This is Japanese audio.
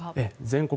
全国